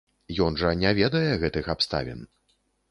Ён жа не ведае гэтых абставін.